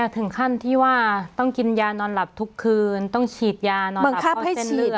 แต่ถึงขั้นที่ว่าต้องกินยานอนหลับทุกคืนต้องฉีดยานอนหลับเขาเส้นเลือด